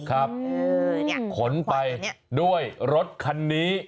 ขนไปด้วยรถคันนี้